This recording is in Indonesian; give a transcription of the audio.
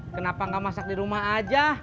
kenapa nggak masak di rumah aja